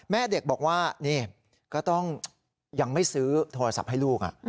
แม่เด็กบอกว่านี่ก็ต้องยังไม่ซื้อโทรศัพท์ให้ลูก